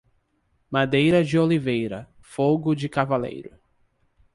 Madeira de oliveira, fogo de cavaleiro.